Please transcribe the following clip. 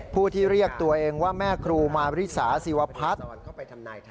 ผู้ที่เรียกตัวเองว่าแม่ครูมาริสาศิวพัฒน์